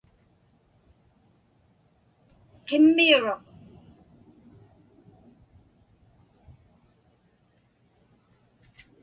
Qimmiuruq.